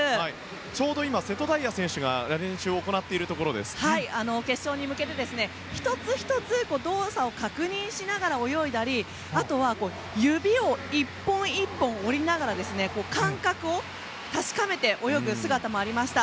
ちょうど今瀬戸大也選手が決勝に向けて１つ１つ動作を確認しながら泳いだりあとは指を１本１本折りながら感覚を確かめて泳ぐ姿もありました。